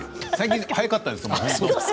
最近、早かったですもの。